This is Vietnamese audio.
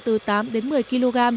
từ tám đến một mươi kg